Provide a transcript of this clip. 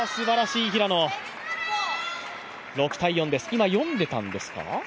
今、読んでいたんですか？